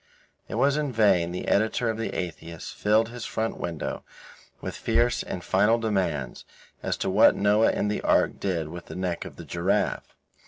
It was in vain that the editor of The Atheist filled his front window with fierce and final demands as to what Noah in the Ark did with the neck of the giraffe.